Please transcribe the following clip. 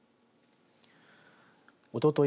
おととい